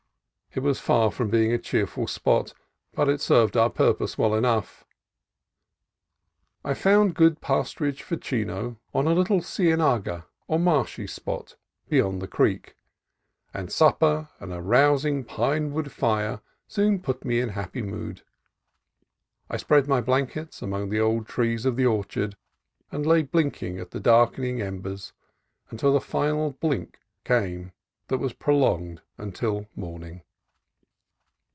It was far from being a cheer ful spot, but it served our purpose well enough. I found good pasturage for Chino on a little cienaga, or marshy spot, beyond the creek ; and supper and a rousing pine wood fire soon put me in happy mood. I spread my blankets among the old trees of the or chard, and lay blinking at the darkening embers until the final blink came that was prolonged until morning.